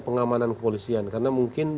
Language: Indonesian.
pengamanan kepolisian karena mungkin